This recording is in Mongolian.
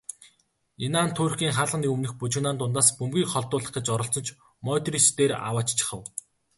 Инан Туркийн хаалганы өмнөх бужигнаан дундаас бөмбөгийг холдуулах гэж оролдсон ч Модрич дээр авааччихав.